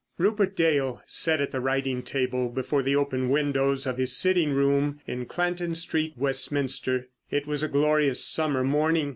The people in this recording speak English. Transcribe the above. Rupert Dale sat at the writing table before the open windows of his sitting room in Clanton Street, Westminster. It was a glorious summer morning.